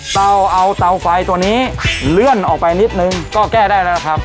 เราเอาเตาไฟตัวนี้เลื่อนออกไปนิดนึงก็แก้ได้แล้วนะครับ